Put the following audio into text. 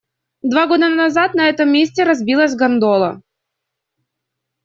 Два года назад на этом месте разбилась гондола.